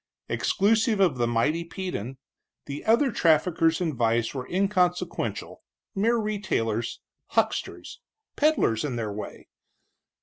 Exclusive of the mighty Peden, the other traffickers in vice were inconsequential, mere retailers, hucksters, peddlers in their way.